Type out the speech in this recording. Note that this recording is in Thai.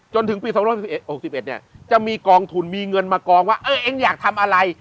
จนถึงปี๒๑๖๑เนี่ยจะมีกองทุนมีเงินมากองว่าเออเองอยากทำอะไร